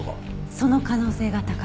その可能性が高い。